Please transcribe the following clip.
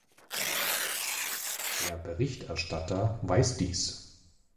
Der Berichterstatter weiß dies.